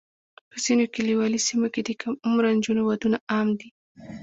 په ځینو کلیوالي سیمو کې د کم عمره نجونو ودونه عام دي.